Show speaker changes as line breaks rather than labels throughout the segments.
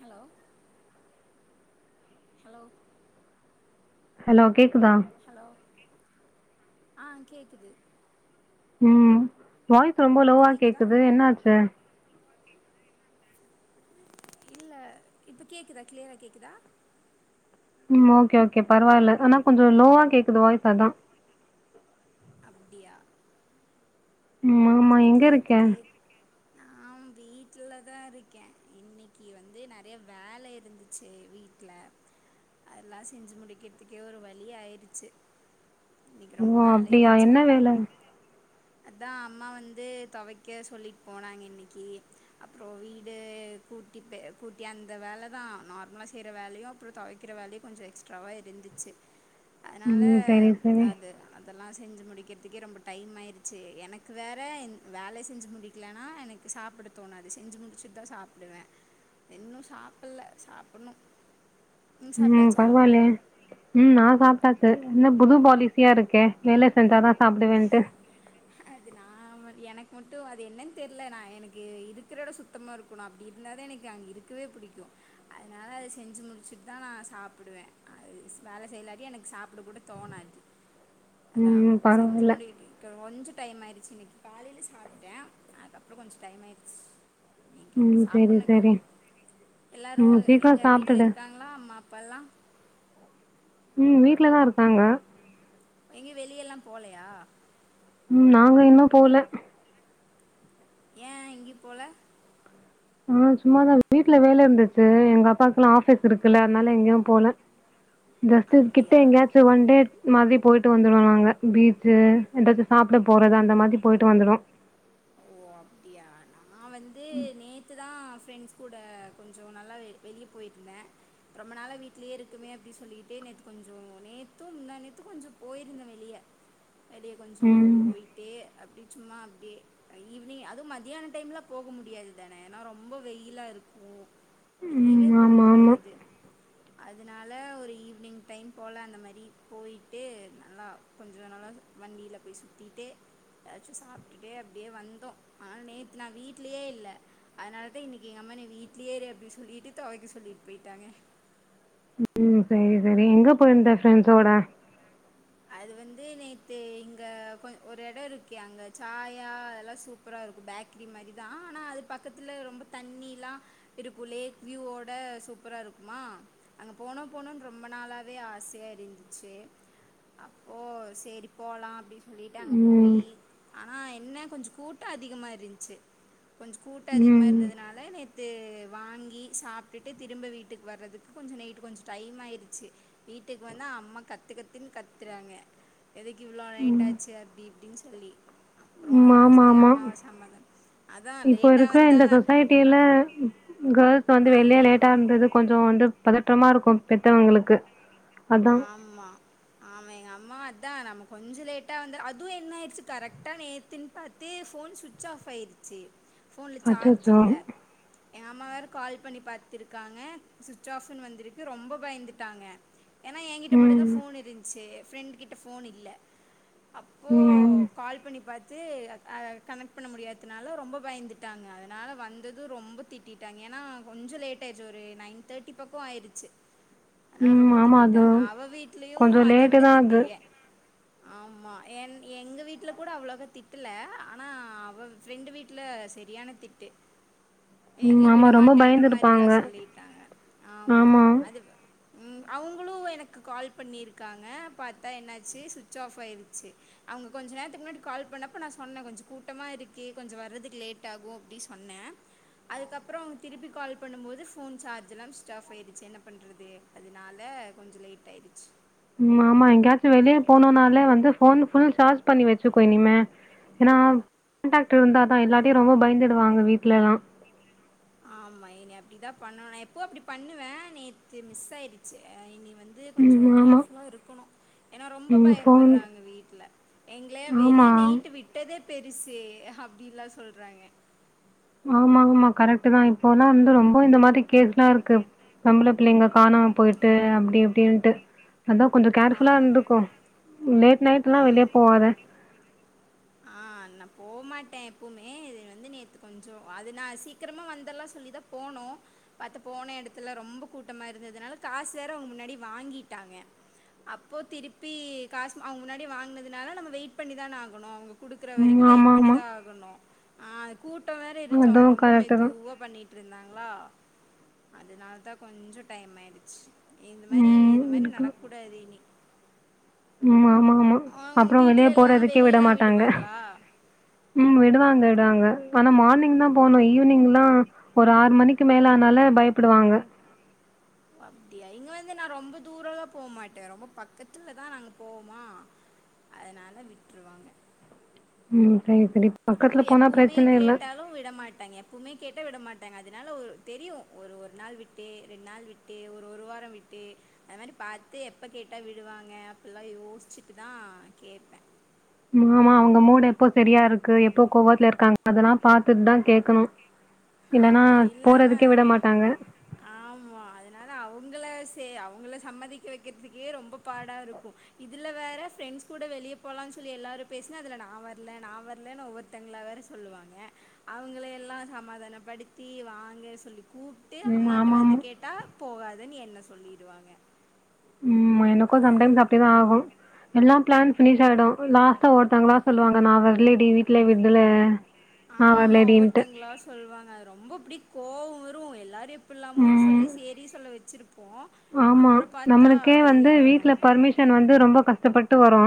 Hello hello
hello கேக்குதா
hello கேக் ஆ கேக்குது
ம் வாய்ஸ் ரொம்ப
இப்போ
லோவா
கேட்குதா
கேக்குது என்னாச்சு
இல்ல இப்ப கேக்குதா கிளியரா கேக்குதா
ம் ஓக்கே ஓக்கே பரவால்ல ஆனா கொஞ்சோ லோவா கேக்குது வாய்ஸ் அத்தா
அப்டியா
ம் ஆமா எங்க
இப்பத்தி
இருக்க
இப்பத்தியே எங்க இருக்க வீட்லதா இருக்கே இன்னிக்கி வந்து நெறைய வேல இருந்துச்சு வீட்ல அதெல்லா செஞ்சு முடிக்றதுக்கே ஒரு வழி ஆயிறிச்சு இன்னக்கி ரொம்ப
ஓ
வேல
அப்டியா
இருன்ச்சா அப்டியா
வேல
என்ன அது அத்தா அம்மா வந்து தொவைக்க சொல்லிட்டு போனாங்க இன்னிக்கு அப்றோ வீடு கூட்டி பெ கூட்டி அந்த வேலதா நார்மலா செய்ற வேலயு அப்றோ தொவைக் கிற வேலையு கொஞ்சோ எக்ஸ்ட்ராவா இருந்துச்சு அதனால
ம் சரி சரி
அது அதெல்லா செஞ்சு முடிக்கிறதுக்கே ரொம்ப டைம் ஆயிறிச்சு எனக் கு வேற வேலைய செஞ்சு முடிக்கலன்னா எனக்கு சாப்பிட தோனாது செஞ்சு முடிச்சுட்டு தா சாப்புடுவே இன்னும் சாப்புல்ல சாப்புன்னும்
உம் பரவால்லயே ம் நா சாப்டாச்சு என்ன புது பாலி சியா இருக்கே வேலை செஞ்சாதா சாப்டுவேன்ட்டு
அது நா எனக்கு மட்டும் அது என்னன்னு தெர்ல நா எனக்கு இருக்கிற எடோ சுத் தமா இருக்கணு அப்டி இருந்தாதா எனக்கு அங்க இருக்கவே புடிக்கும் அதனால அது செஞ்சு முடிச்சுட்டு தா நா சாப்புடுவே அது வேலை செய்யலாட்டி எனக்கு சாப்புட கூட தோணாது அத்தா
ம்
செஞ்சு
பரவால்ல
முடிக்கட்டி கொஞ்சோ டைம் ஆயிறிச்சு இன்னைக்கு காலைல சாப்டே அதுக்கப்றோ கொஞ்சோ டைம் ஆயிறிச்சி ஏன்கிட்
ம் சரி
சாப்பிட்ணு இப்போ
சரி
எல்லாரும்
ம் சீக்கிரோ
எங்க வீட்ல
சாப்ட்டுடு
இருக்காங்களா அம்மா அப்பால்லா
ம் வீட்ல தா இருக்காங்க
எங்கயு வெளிய எல்லா போலயா
ம் நாங்க இன்னம் போல
ஏன் எங்கயு போல
ஆ சும்மாதா வீட்ல வேலை இருந்துச்சு எங்க அப்பாக்குல்லா ஆஃபீஸ் இருக்குல்ல அதனால எங்கயு போல ஜஸ்ட் கிட்ட
அப்படியா
எங்கயாச்சும் ஒன் டேட் மாதிரி போயிட்டு வந்துடுவோ நாங்க பீச்சு ஏதாச்சு சாப்ட போறது அந்த மாதிரி போயிட்டு வந்துடுவோ
ஓ அப்டியா நா வந்து நேத்து தா ஃப்ரெண்ட்ஸ் கூட கொஞ்சோ நல்லா வெளிய போயிருந்தே ரொம்ப நாளா வீட்லயே இருக்கமே அப்டின்னு சொல்லிக்கிட்டே நேத்து கொஞ்சோ நேத்தும் முந்தா நேத்தும் கொஞ்சோ போயிருந்தே வெளிய அடியே கொஞ்சோ
ம்.
போய்டே அப்டி சும்மா அப்டியே ஈவினிங் அதும் மத்யான டைம்ல போக முடியாது தானே ஏன்னா ரொம்ப வெயிலா இருக்கு வெளியவே
ம்.
போக
ஆமா, ஆமா.
முடியாது அதனால ஒரு ஈவினிங் டைம் போல அந்த மாறி போய்டு நல்லா கொஞ்சோ நல்லா வண்டியில போய் சுத்திட்டு ஏதாச்சு சாப்டுட்டு அப்டியே வந்தோ ஆனா நேத்து நா வீட்லயே இல்ல அதனால தா இன்னைக்கி எங்க அம்மா நீ வீ்ட்லயே இருஅப்டி சொல்லிட்டு தொவைக்க சொல்லிட்டு பேயிட்டாங்க
ம் செரி செரி எங்க போயிருந்த ஃப்ரெண்ட்ஸோட
அது வந்து நேத்து இங்க கொஞ் ஒரு இடோ இருக்கு அங்க சாயா அதெல்லா சூப் பறா இருக்கு பேக்ரி மாறி தா ஆனா அது பக்கத்துல ரொம்ப தண்ணில்லா இருக்கு லேக் விவோட சூப்பரா இருக்குமா அங்க போனோ போனுனு ரொம்ப நாளாவே ஆசையா இருந்துச்சு அப்போ செரி போலா அப்டின்னு சொல்லிட்டு அங்க
ம்.
போயி ஆனா என்ன கொஞ்சோ கூட்டோ அதிகமா இருந்துச்சு கொஞ்ச கூட்டோ அதிகமாக
ம்.
இருந்ததுனால நேத்து வாங்கி சாப்டுட்டு திரும்ப வீட்டுக்கு வர்றதுக் கொஞ்ச நைட்டு் கொஞ்ச டைம் ஆயிறுச்சு வீட்டுக்கு வந்து அம்மா கத்து கத்துன்னு கத் த்துறாங்க எதுக்கு இவ்ளோ
ம்.
நைட்
ம்.
ஆச்சு அப்டி இப்டின்னு சொல்லி அப்போற அதெல்லா
ஆமா,
சொல்லி
ஆமா.
அம்மாவ சமாதம் அதா லேட்டா வந்தா
ட்டியில கேர்ள்ஸ் வந்து வெளியே
ஆமாம்
லேட்டா இருந்தது கொஞ்சோ வந்து பதட்டமா இருக்கு பெத்தவுங்களுக்கு
ஆமா ஆமா எங்க அம்மா அதான் நம்ம கொஞ்ச லேட்டா வந்த அதுவு என்ன ஆயிறுச்சு கரெக்டா நேத்துன்னு பாத் தே போன் சுட்ச் ஆஃப் ஆயிருச்சி போன்ல சார்ஜ் இல்ல
அச்சச்சோ!
எங்க அம்மா‌ வேற‌ கால் பண்ணி பாத்துருக்காங்க ஸ்சுவிட்ச் ஆப்புனு வந்துருக்கு ரொம்ப பயந்துட்டாங்க ஏன்னா என்கிட்ட மட்டுந்தா
ம்.
ஃபோன் இருந்துச்சு ஃப்ரெண்ட் கிட்ட ஃபோன் இல்ல அப்போ
ம்.
கால் பண்ணி பாத்து கனெக்ட் பண்ண முடியதுனால ரொம்ப பயந்துட்டாங்க அதனால வந்தது ரொம்ப திட்டி விட்டாங்க ஏன்னா கொஞ்சோ லேட்டாயிருச்சு ஒரு நைன் தேட்டி பக்கோ ஆயிடுச்சு ஆ
ம்.
ரொம்ப
ஆமா. அது
திட்டிட்டாங்க அவ வீட்லயு
கொஞ்சம்
அத
லேட்டு
விட
தான்
திட்டு
அது.
ஏ ஆமா என் எங்க வீட்ல கூட அவ்ளோக்கா திட்ல ஆனா அவ ஃப்ரெண்டு வீட்ல செரியான திட்டு
ம்.
எங்கயு
ஆமா
விட
ரொம்ப
மாட்டேன்ற மாரிலா
பயந்துருப்பாங்க.
சொல்லிட்டாங்க ஆமா அது ம் அவ்ங் அவளு எனக்கு கால் பண்ணிருக்காங்க பாத்தா என்னாச்சி சுவிட்ச் ஆஃப் ஆயிருச்சு அவுங்க கொஞ்ச நேரத்துக்கு முன்னாடி கால் பண்ணப்ப நா சொன்னகொஞ்ச கூட்டமா இருக்கு கொஞ்ச வர்றதுக்கு லேட் டாகு அப்டி சொன்ன அதுக்கப்பறோ திருப்பி கால் பண்ணும்போது ஃபோன் சார்ஜ்ல்லாம ஸ்விச் ஆஃப் ஆயிருச்சு என்ன பண்றது அதுனால கொஞ்ச லேட் ஆயிடுச்
ம் ஆமா எங்கயாச்சு வெளிய போனுனாலே வந்து போன் ஃபுல் சார்ஜ் பண்ணி வச்சுக்கோ இனிமே ஏன்னா கான்டக்ட் இருந்தா தா இல்லாட்டி ரொம்ப பயந்துடுவாங்க வீட்லலா
ஆமா இனி அப்டி தா பண்ணொணு நா எப்போ அப்டி பண்ணுவே நேத்து மிஸ் ஆயிடுச்சு இனி வந் து கொஞ்சொ
ம். ஆமா.
கேர்ஃபுலா இருக்கணு ஏனா ரொம்ப
ம். ஃபோன்
பயப்புறாங்க வீட்ல எங்ளே
ஆமா.
வெளிய நைட்டு விட் ட்டதே பெருசு அப்டிலா சொல்றாங்க
ஆமா ஆமா கரெக்ட் தா இப்போல்லா வந்து ரொம்ப இந்த மாரி கேஸ்ல்லா இருக்கு பொம்ள பிள்ளைங்க காணாம போயிட்டு அப்டி அப்டின்ட்டு அதா கொஞ்ச கேர்ஃபுல்லா
ஆமா,
இருந்துக்கோ லேட் நைட்லா
ஆமா.
வெளிய போவாத
ஆ நா போமாட்டே எப்பமே இது வந்து நேத்து கொஞ்சொ அது நா சீக்கிரமா வந்தலா சொல்லிதா போனோ பத்து போன எடத்துல ரொம்ப கூட்டமா இருந்ததுனால காசு வேற அவுங்க முன்னாடி வாங்கிட்டாங்க அப்போ திருப்பி காசு அவங்க முன்னாடி வாங்குனதுனால நம்ம வெயிட் பண்ணி தான ஆகணு அவுங்க குடுக்குற
ம்.
வரைக்கு வெயிட் பண்ணி
ஆமாமா.
தா ஆகணு கூட்டோ வேற இருஞ்சு அவுங்க
அதுவும்
ரொம்ப
கரெக்ட்டு தான்.
மெதுவா பண்ணிட்ருந்தாங்ளா அதுனால தா கொஞ்சோ டைம் ஆயிடுச் இந்த மாரி இது
ம்.
மாரி
இருக்கு.
நடக்கூடாது இனி
ம் ஆமா ஆமா
அவங்க
அப்றோ வெளிய
வீட்ல எல்லா
போறதுக்கே விட
வெளியலா
மாட்டாங்க
விடுவாங்களா
ம் விடுவாங்க டாங்க ஆனா மார்னிங் தா போணு ஈவ்னிங்லா ஒரு ஆறு மணிக்கு மேல ஆனாலே பயப்படுவாங்க
அப்டியா இங்க வந்து நா ரொம்ப தூரலா பொமாட்ட ரொம்ப பக்கத்துலதா நாங்க போவோமா அதுனால விட்ருவாங்க
ம் சரி சரி பக்கத்துல
அதுவும்
போனா
எப்பவுமே
பிரச்சன இல்ல
கேட்டாலும் விட மாட்டாங்க எப்வுமே கேட்ட விட மாட்டாங்க அதனால ஒ தெரியு ஒரு ஒரு நாள் விட்டு ரெண் நாள் விட் ட்டு ஒரு ஒரு வார விட்டு அது மாரி பாத்து எப்ப கேட்டா விடுவாங்க அப்பில்லா யோசிச்ட்டுதா கேப்ப
மாமா அவுங்க மூடு எப்போ செரியா இருக்கு எப்போ கோவத்துல இருக்காங்க அதலா பாத்துட் தா கேட்கணு இல்லன்னா
ஆமா இல்லாம
போறதுக்கே விட
வே
மாட்டாங்க
ஆமா அதுனால அவுங்கள சே அவங்கள சம்மதிக்க வக்றதுக்கே ரொம்ப பாடாருக்கு இதுல வேற ஃப்ரெண்ட்ஸ் கூட வெளிய போலான் சொல்லி எல்லாரு பேஸ்னா அதுல நா வரல நா வரலனு ஒவ்வொரு தங்ளா வேற சொல்லுவாங்க அவுங்கள எல்லா சமாதானப்படுத்தி வாங்க சொல்லி கூப்ட்டு
ம்.
அம்மாட்ட வந்து
ஆமாமா.
கேட் டா போகாதன் என்ன சொல்லிடுவாங்க
ம்மா எனக்கு சம்டைம்ஸ் அப்டிதா ஆகு எல்லா பிளான் பினிஷ் ஆயிடு லாஸ்ட்டா ஒருத்தவங்களா சொல்லுவாங்க நா வரலடி வீட்ல விட்டல
ஆமா ஒவ்வொருத்தங்களால சொல்வாங்க அது ரொம்ப அப்டி கோவோ வரு எல்லாரையு எப்புல்லாமோ
ம்.
சொல்லி சேரி சொல்ல வச்சிருப்போ
ஆமா.
அப்பற பாத்தா இல்லன்னுவாங்க
சன் வந்து ரொம்ப கஷ்டப்பட்டு வரோ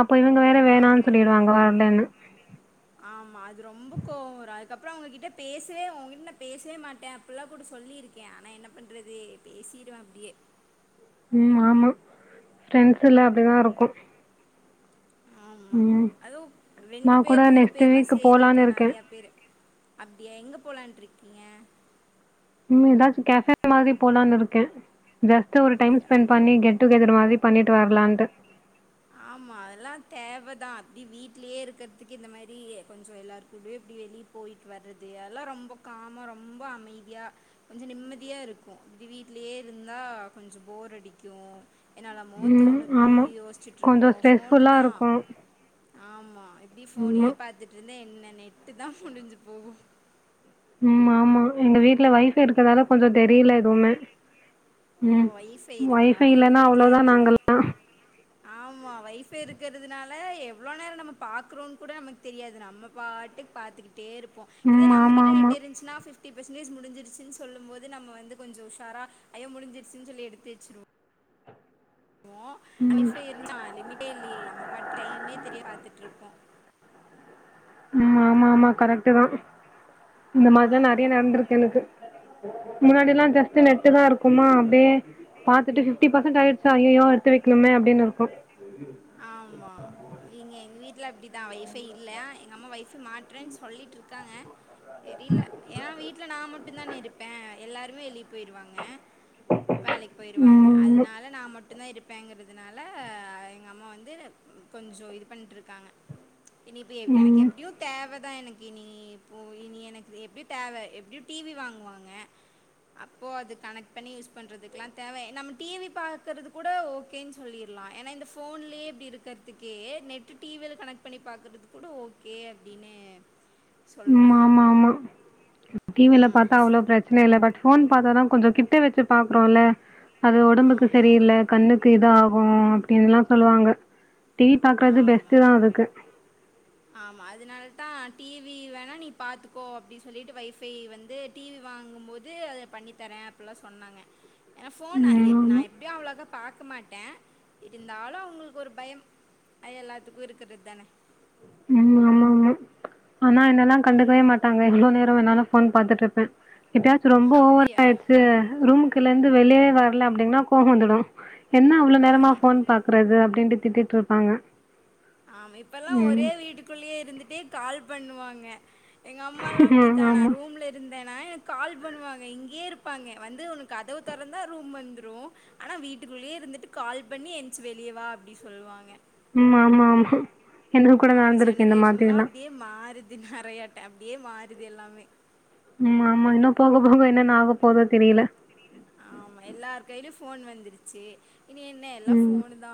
அப்போ இவங்க வேற வேணான்
ஆமா
சொல்லிடுவாங்க வர்லன்னு
ஆமா அது ரொம்ப கோவ வரு அதுக்கப்றோ அவுங்ககிட்ட பேசவே உங்கிட்ட நா பேசவே மாட்டே அப்புல்லா கூட சொல்லிருக் எ ஆனா என்ன பண்ணறது பேசிடுவே அப்டியே
ம் ஆமா ஃரெண்ட்ஸ்செல்லா அப்டிதா இருக்கு
ஆமா அதுவு
நா
ரெண்டு
கூட
பேர் மூணு
நெக்ஸ்ட்
பேர்னா
வீக் போலான்னு
செரிங்களா
இருக்கே
நறைய பேரு அப்டியா எங்க போலான்ட்ருக்கீங்க
இன்மேதாச்சு கேஃபே மாதிரி போலான் இருக்கே ஜஸ்ட்டு ஒரு டைம்
அப்படியா
ஸ்பெண்ட் பண்ணி கேட் டு கெதர் மாதிரி பண்ணிட்டு வரலான்ட்டு
ஆமா அதெல்லா தேவதா அப்டி வீட்லயே இருக்கற்துக்கு இந்த மாரி கொஞ்சோ எல்லார் இருக்கூடயு இப்டி வெளிய போய்ட்டு வர்றது அதெல்லா ரொம்ப காமா ரொம்ப அமைதியா கொஞ்ச நிம்மதியா இருக்கு இப்டி வீட்லியே இருந்தா கொஞ்ச ஃபோர் அடிக்கு என்னாலமோ
ம்
தோணு இப்டி
ஆமா
யொசி
கொஞ்சோ
ருப்போம் ஃபோன்னு
ஸ்ட்ரெஸ்ஃபுல்லா
தா
இருக்கு
ஆமா எப்டி ஃபோனயே
ஆமா
பாத் பாரத்தட்டுருந்த என்ன நெட்டு தா முடிஞ்சி போகு
ம் ஆமா எங்க வீட்ல ஒய்ஃபை இருகதால கொஞ்சோ தெரில எதுமே
ஓ!
ம்
வைஃபை இருக்கா?
ஒய்ஃபை
எங்க
இல்லனா
வீட்ல
அவ்ளோதா
அது இல்ல.
நாங்கல்லா
ஆமா ஒய்ஃபை இருகுறதுனால எவ்ளோ நேரம் நம்ம பாக்குறோன் கூட நமக் தெரியாது நம்ம பாட்டுக் பாத்துக்கிட்டே இருப் போம் இதோ
ம்
நம்ம
ஆமா
கிட்ட
ஆமா
நெட்ட இருந்துச்சுா பிஃப்டி பிர்சன்டேஜ் முடிஞ்சிடுச்சு சொல்லும் போது நம்ம வந்து கொஞ்சோ உஷாரா அய்யோ முஞ்சிருச்சின் சொல்லி எடுத்து வச்சுருவோ மோ
ம்
ஒய்ஃபை இருந்துச் ஆ லிமிட்டே இல்லியே நம்மபட்டு டைம்மே தெரிய பாத்துட்டுருப்போ
ம் ஆமா ஆமா கரெக்ட்டு தா இந்த மார்தா
ஆமா
நறைய நடந்திருக்கு எனக்கு முன்னாடில்லா ஜஸ்த் நெ ட்டு தாருக்குமா அப்டே பாத்துட்டு ஃபிஃப்டிபர்சன்ட் ஆயிர்ச்சா ஜயியோ எடுத்து வெக்ணுமே அப்டின்னு
ஆம்மா இங்கெ எங்வீட்ல அப்டிதா ஒய்ஃபை இல்ல எங்க அம்மா ஒய்ஃபை மாட்டுறேன் சொல்லிட்ருக்காங்க தெரில ஏன வீட்ல நா மட்டுந்தானே இருப்பே எல்லாருமே வெளி பொய்ருவாங்க வேலைக் பொயிருவாங்க
ம்
அதுனால நா மட்டுந்தா இருப்பேங்கற்துனால எங்க அம்மா வந்து கொஞ்சொ இது பண்ணிட்டுருக்காங்க இனிபே எனக்
ம்
எப்டியோ தேவதா எனக் இனி இப்போ இனி எனக் எப்டி தேவ எப்டியு டி வி வாங்குவாங்க அப்போ அது கனெக்ட் பண்ணி யூஸ் பண்றதுக்லா தேவ நம்ம டிவி பார்கற்து கூட ஓ க்கேன் சொல்லிட்லா என்னா இந்த ஃப் ஃபோன்லே இப்டி இருக்கற்துக்கே நெட்டு டி வில் கனெக் பண்ணி பாக்கற்துக்கூட ஓக்கே அப்டின்னு
ம் ஆம்மா ஆம்மா டிவில பாத்தா அவ்ளோ
ஆமாம்
பிரச் சன இல்ல பட் ஃபோன் பாத்தாதா கொஞ்சொ கிட்டெ வெச்சு பாக்குறோல்ல அது ஒடம்புக்கு
ஆமாம்
சரியில்ல கண்ணுக்கு இத ஆகு அப்டின்லா சொல்லுவாங்க டி பாக்கறது பெஸ்ட்டுதா அதுக்கு
ஆம்மா அதுனால் தா டி வி வேணா நீ பாத்துக்கோ அப்டி சொல்லிட்டு வைஃபை வந்து டி வி வாங்குபோது அத பண்ணித்தரே அப்பில்லா சொன்னாங்க ஏன்னா ஃபோன் எ
ம்
நா
ஆமா
எப்டியு அவ்ளோக்க பாக்கமாட்டே இ இந்தாலு அவங்குளுக் ஒரு பயம் அது எல்லாத்துக்கு இருக்கற்து தான
ம் ஆம்மா ஆம்மா ஆன்னா என்னல்லா கண்டுக்வே மாட்டாங் எவ்ளநேரொவென்னாலு ஃபோன் பாத்துட்ருப்பே எப்யாச்சு ரொம்ப ஓவரா
அப்படியா
ஆயிடுச்சு ரூமுக் ல்லேந்து வெள்ளே வர்ல அப்டின்னா கோவந்துடும் என்ன அவ்வளோ நேரமா ஃபோன் பாக்குறது அப்டின்ட்டு திட்டிட்ருப்பாங்க
ஆம் இப்பெல்லா
ம்
ஒரே வீட்டுக்குள்ளியே இருந்துட்டே கால் பண்ணுவாங்க எங்க அம்மால்லா அப்டித்தா
ஆமா
நா ரூம்லே இருந்தேன்னா எனக் கால் பண்ணுவாங்க இங்கே இருப்பாங்க வந்து உனக் கதவு தெரந்தா ரூம் வந்துரூ அனா வீட்டுக்குள்ளே இருந்துட்டு கால் பண்ணி என்ச் வெளியேவா அப்டி சொல்வாங்கெ
ம் ஆம்மா ஆம்மா எனக் கூட
ஆமா
நடந்துருக்கு இந்த
ஜெனரேஷன்லா
மாதிரில்லா
அப்டியே மாறுது நறையாட்ட அப்புடியே மாறுது எல்லாமே
உம் ஆம்மா இன்னு போக போக என்னென்னு ஆக போதோ தெரில
இ ஆம்மா எல்லார் கைலியு ஃபோன் வந்துருச்சு இனி என்ன எல்லா
ம்
ஃபோனுதா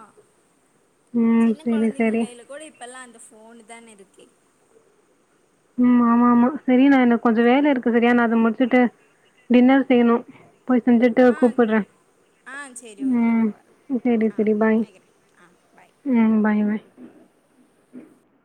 ம்
சின்னக்
செரி
கொழந்தைங்க
செரி
கைல போடி இப்பெல்லா அந்த ஃபோனு தான இருக்கே
உம் ஆம்மா ஆம்மா செரி நா எனக் கொஞ்சொ வேல இருக்கு செரியா நா அத முட்ச்சுட்டு டின்னர் செய்ணு போய் செஞ்சுட்டு
ஆ
கூப்புட்டுற
ஆ சேரி ஓக்கே பரவால்ல
சரி
ஆ
சரி பாய்
வக்கிறேன் ஆ பாய்
ம் பாய் பாய்